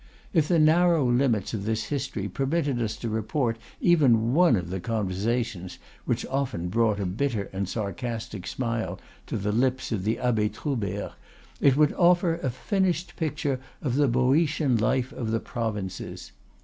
If the narrow limits of this history permitted us to report even one of the conversations which often brought a bitter and sarcastic smile to the lips of the Abbe Troubert, it would offer a finished picture of the Boeotian life of the provinces.